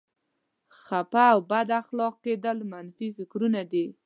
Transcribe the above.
خفه او بد اخلاقه کېدل هم منفي فکرونه دي.